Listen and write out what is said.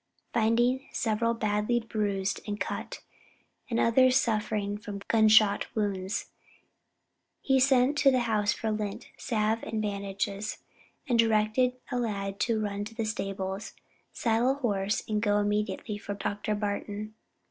Finding several badly bruised and cut, and others suffering from gunshot wounds, he sent to the house for lint, salve and bandages, and directed a lad to run to the stables, saddle a horse; and go immediately for Dr. Barton.